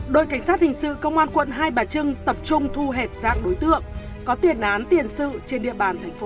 đội cảnh sát hình sự công an quận hai bà trưng tập trung thu hẹp dạng đối tượng có tiền án tiền sự trên địa bàn thành phố